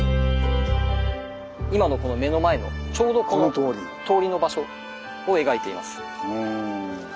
今のこの目の前のちょうどこの通りの場所を描いています。